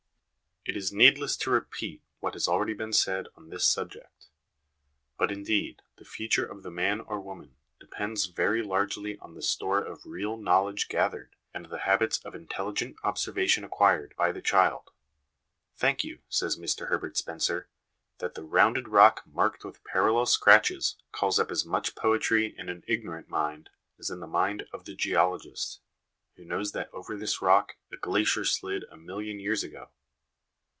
It is needless to repeat what has already been said on this subject; bnt, indeed, the future of the man or woman depends very largely on the store of real knowledge gathered, and the habits of intelligent observation acquired, by the child. " Think you," says Mr Herbert Spencer, " that the rounded rock marked with parallel scratches calls up as much poetry in an ignorant mind as in the mind of the geologist, who knows that over this rock a glacier slid a million of years ago